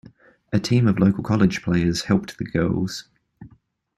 A team of local college players helped the girls.